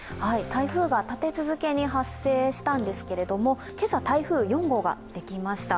台風が立て続けに発生したんですけれども、今朝、台風４号ができました。